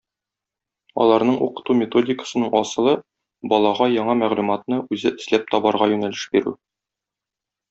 Аларның укыту методикасының асылы - балага яңа мәгълүматны үзе эзләп табарга юнәлеш бирү.